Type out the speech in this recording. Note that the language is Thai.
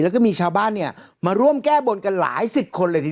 แล้วก็มีชาวบ้านเนี่ยมาร่วมแก้บนกันหลายสิบคนเลยทีเดียว